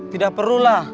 tidak perlu lah